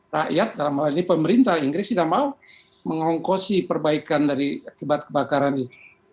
rakyat dalam hal ini pemerintah inggris tidak mau mengongkosi perbaikan dari akibat kebakaran itu